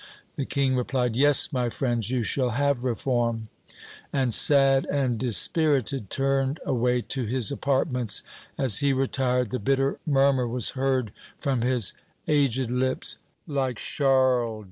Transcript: The King replied, "Yes, my friends, you shall have reform," and sad and dispirited turned away to his apartments; as he retired the bitter murmur was heard from his aged lips, "Like Charles X."